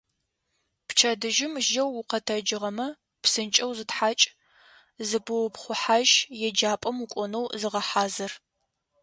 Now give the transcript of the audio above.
Пчэдыжьым жьэу укъэтэджыгъэмэ, псынкӏэу зытхьакӏ, зыпыупхъухьажь, еджапӏэм укӏонэу зыгъэхьазыр.